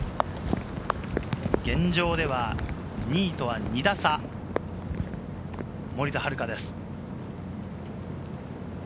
現状では２位とは２打差、森田遥です。